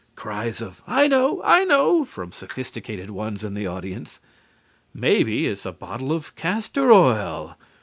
(Cries of "I know, I know!" from sophisticated ones in the audience). Maybe it is a bottle of castor oil!